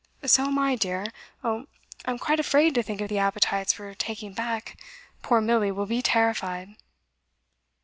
'So am I, dear. Oh, I'm quite afraid to think of the appetites we're taking back. Poor Milly will be terrified.